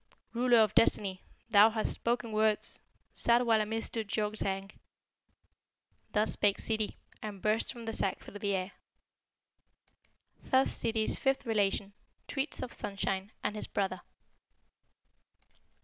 "Ruler of Destiny, thou hast spoken words! Ssarwala missdood jonkzang." Thus spake Ssidi, and burst from the sack through the air. Thus Ssidi's fifth relation treats of Sunshine and his brother.